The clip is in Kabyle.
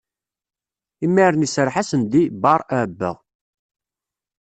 Imiren iserreḥ-asen-d i Bar Aba.